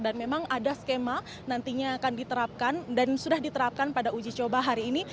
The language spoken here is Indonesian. dan memang ada skema nantinya akan diterapkan dan sudah diterapkan pada uji coba hari ini